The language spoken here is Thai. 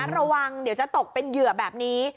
ระวังเดี๋ยวจะตกเป็นเหยื่อแบบนี้